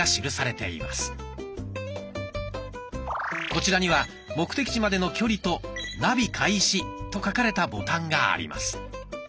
こちらには目的地までの距離と「ナビ開始」と書かれたボタンがあります。